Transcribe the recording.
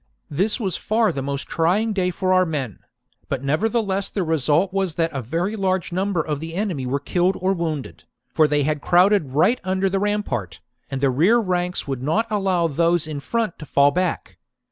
This was far the most trying day for our men ; but nevertheless the result was that a very large number of the enemy were killed or wounded, for they had crowded right under the rampart, and the rear ranks would not allow those in front to fall back.